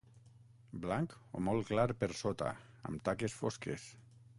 Blanc o molt clar per sota, amb taques fosques.